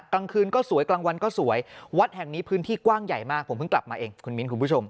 กลางคืนก็สวยกลางวันก็สวยวัดแห่งนี้พื้นที่กว้างใหญ่มากผมเพิ่งกลับมาเองคุณมิ้นคุณผู้ชม